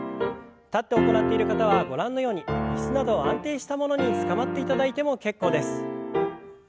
立って行っている方はご覧のように椅子など安定したものにつかまっていただいても結構です。